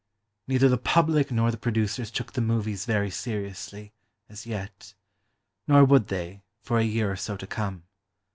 Neither the public nor the producers took the "movies" very seriously, as yet ... nor would they, for a year or so to come.